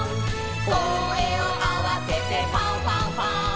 「こえをあわせてファンファンファン！」